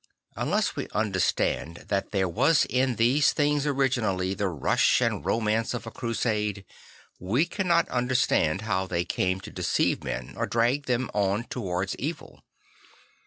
Unless we understand that there was in these things originally the rush and romance of a Crusade, we cannot understand how they came to deceive men or drag them on towards evil.